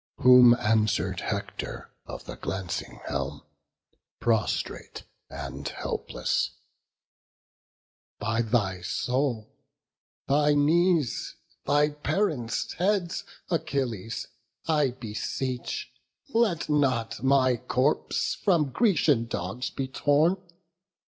Whom answer'd Hector of the glancing helm, Prostrate and helpless: "By thy soul, thy knees, Thy parents' heads, Achilles, I beseech, Let not my corpse by Grecian dogs be torn.